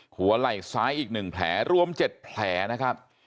หัวไล่ซ้ายอีกหนึ่งแผลรวมเจ็ดแผลนะครับ